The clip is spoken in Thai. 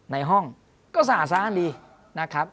ในห้องก็สะอาดสะอ้านดีนะครับ